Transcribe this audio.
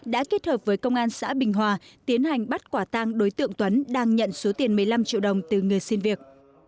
đã kết hợp với công an xã bình hòa tiến hành bắt quả tang đối tượng tuấn đang nhận số tiền một mươi năm triệu đồng từ người xin việc